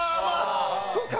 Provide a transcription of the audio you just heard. そうか。